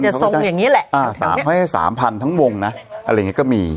จะทรงอย่างเงี้ยแหละอ่าสามให้สามพันทั้งวงน่ะอะไรอย่างเงี้ยก็มี